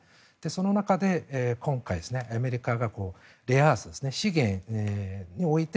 その中で今回、アメリカがレアアース、資源において